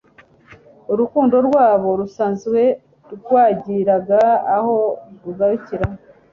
Urukundo rwabo rusanzwe rwagiraga aho rugarukira,